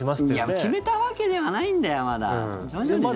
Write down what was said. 決めたわけではないんだよまだ。